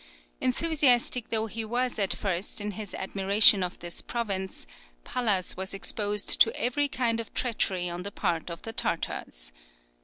Enthusiastic though he was at first in his admiration of this province, Pallas was exposed to every kind of treachery on the part of the Tartars.